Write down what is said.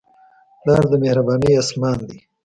پلار د مهربانۍ اسمان دی.